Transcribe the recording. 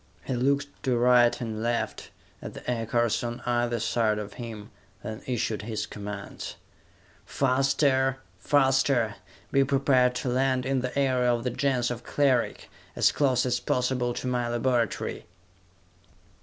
He looked to right and left, at the aircars on either side of him, then issued his commands. "Faster! Faster! Be prepared to land in the area of the Gens of Cleric, as close as possible to my laboratory!"